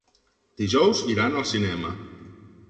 Dijous iran al cinema.